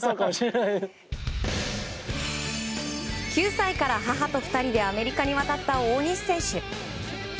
９歳から母と２人でアメリカに渡った大西選手。